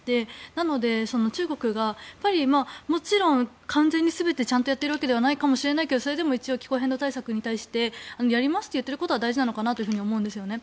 なので、中国がもちろん完全に全てちゃんとやってるわけではないかもしれないけどそれでも一応、気候変動対策をやりますと言っているのは大事なのかなと思うんですよね。